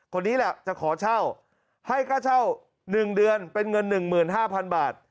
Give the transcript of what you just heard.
คนนี้แหละจะขอเช่าให้ค่าเช่า๑เดือนเป็นเงิน๑๕๐๐๐บาท